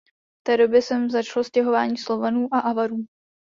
V té době sem začalo stěhování Slovanů a Avarů.